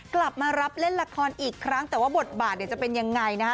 กลับมารับเล่นละครอีกครั้งแต่ว่าบทบาทเนี่ยจะเป็นยังไงนะฮะ